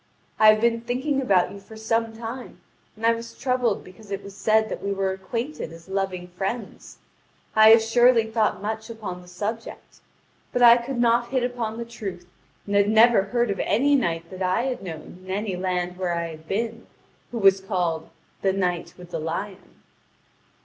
I have been thinking about you for some time, and I was troubled because it was said that we were acquainted as loving friends. I have surely thought much upon the subject: but I could not hit upon the truth, and had never heard of any knight that I had known in any land where I had been, who was called 'The Knight with the Lion.'"